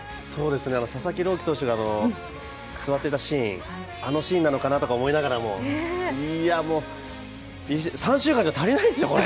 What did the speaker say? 佐々木朗希投手が座ってたシーン、あのシーンなのかなと思いながらもいやもう、３週間じゃ足りないですよ、これ。